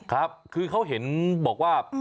ครับคือเขาเห็นบอกว่า